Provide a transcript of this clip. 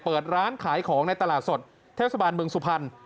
เปิดร้านขายของในตลาดสดเทศบาลเมืองสุพรรณ